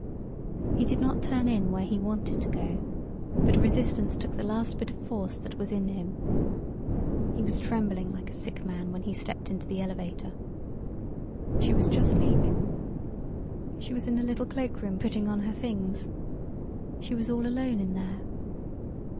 He did not turn in where he wanted to go, but resistance took the last bit of force that was in him. He was trembling like a sick man when he stepped into the elevator. She was just leaving. She was in the little cloak room putting on her things. She was all alone in there.